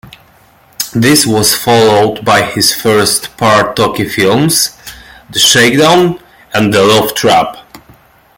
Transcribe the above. This was followed by his first part-talkie films, "The Shakedown" and "The Love Trap".